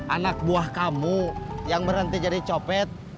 anak buah kamu yang berhenti jadi copet